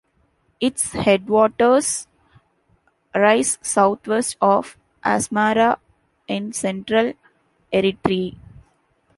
Its headwaters rise south-west of Asmara in central Eritrea.